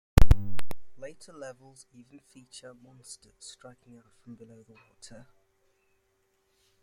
Later levels even feature monsters striking out from below the water.